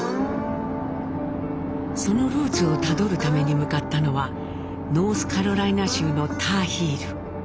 そのルーツをたどるために向かったのはノースカロライナ州のター・ヒール。